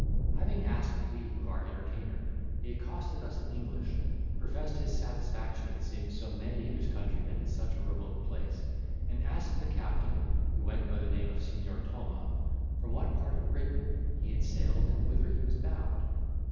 Having asked leave of our entertainer, he accosted us in English, professed his satisfaction at seeing so many of his countrymen in such a remote place, and asked the captain, who went by the name of Signor Thoma, from what part of Britain he had sailed and whither he was bound.